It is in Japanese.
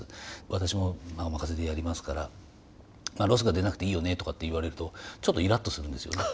私もおまかせでやりますから「ロスが出なくていいよね」とかって言われるとちょっとイラッとするんですよね。